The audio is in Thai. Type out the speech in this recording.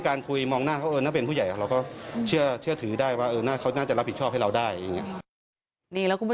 ก็ตกลงโอนเงินค่าเสียหายค่าซ่อมมาให้นะคะ